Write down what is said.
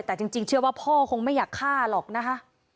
แต่จริงเชื่อว่าพ่อคงไม่อยากฆ่าหรอกนะคะ